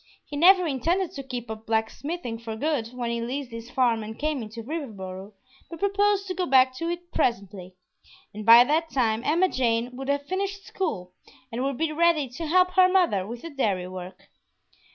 He never intended to keep up "blacksmithing" for good when he leased his farm and came into Riverboro, but proposed to go back to it presently, and by that time Emma Jane would have finished school and would be ready to help her mother with the dairy work.